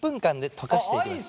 溶かしていきます。